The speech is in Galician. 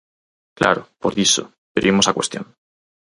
Claro, por iso, pero imos á cuestión.